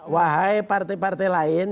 wahai partai partai lain